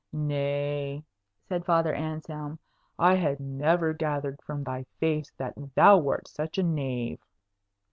"Nay," said Father Anselm, "I had never gathered from thy face that thou wert such a knave."